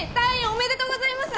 おめでとうございます。